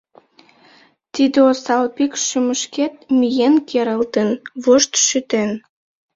Тиде осал пикш шӱмышкет миен керылтын, вошт шӱтен...»